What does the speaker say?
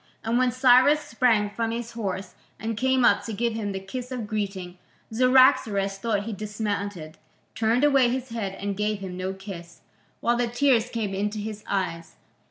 And when Cyrus sprang from his horse and came up to give him the kiss of greeting, Cyaxares, though he dismounted, turned away his head and gave him no kiss, while the tears came into his eyes.